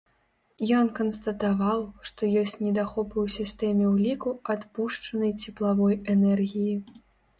Ён канстатаваў, што ёсць недахопы ў сістэме ўліку адпушчанай цеплавой энергіі.